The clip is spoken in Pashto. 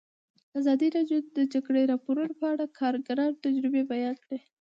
ازادي راډیو د د جګړې راپورونه په اړه د کارګرانو تجربې بیان کړي.